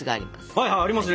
はいはいありますね。